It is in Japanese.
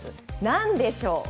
何でしょう？